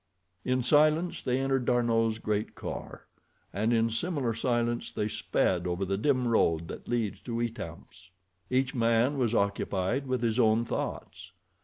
In silence they entered D'Arnot's great car, and in similar silence they sped over the dim road that leads to Etamps. Each man was occupied with his own thoughts.